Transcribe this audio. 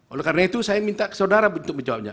oleh karena itu saya minta saudara untuk menjawabnya